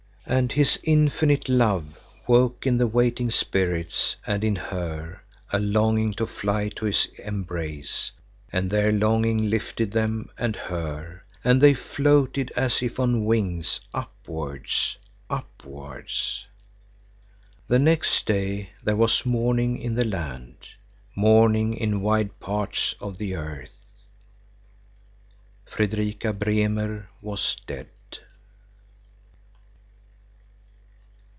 And his infinite love woke in the waiting spirits and in her a longing to fly to his embrace, and their longing lifted them and her, and they floated as if on wings upwards, upwards. The next day there was mourning in the land; mourning in wide parts of the earth. _Fredrika Bremer was dead.